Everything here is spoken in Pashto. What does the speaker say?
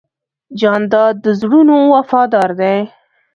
جانداد د زړونو وفادار دی.